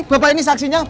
bapak ini saksinya